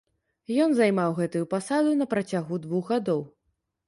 Ён займаў гэтую пасаду на працягу двух гадоў.